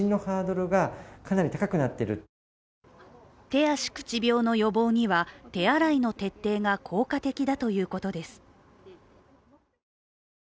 手足口病の予防には手洗いの徹底が効果的だということです。